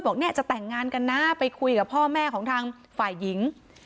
บอกเนี่ยจะแต่งงานกันนะไปคุยกับพ่อแม่ของทางฝ่ายหญิง